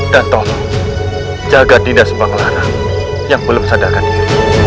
dan tolong jaga dinda subanglarang yang belum sadarkan diri